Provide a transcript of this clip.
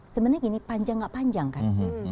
sebenarnya gini panjang nggak panjang kan